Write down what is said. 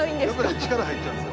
力入っちゃうんですよ